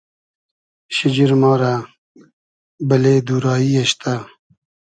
شیجیر ما رۂ بئلې دو رایی اېشتۂ